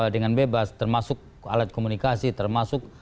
dengan bebas termasuk alat komunikasi termasuk